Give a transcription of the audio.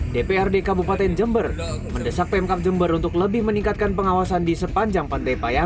dprd kabupaten jember mendesak pemkap jember untuk lebih meningkatkan pengawasan di sepanjang pantai payang